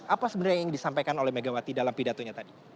apa sebenarnya yang ingin disampaikan oleh megawati dalam pidatonya tadi